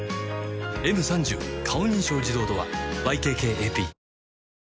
「Ｍ３０ 顔認証自動ドア」ＹＫＫＡＰ